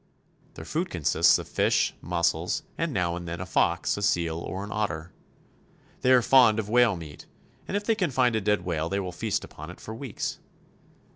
Their food consists of fish, mussels, and now and then a fox, a seal, or an otter. They are fond of whale meat, and if they can find a dead whale they will feast upon it for weeks.